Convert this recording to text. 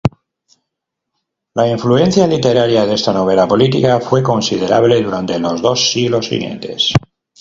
La influencia literaria de esta novela política fue considerable durante los dos siglos siguientes.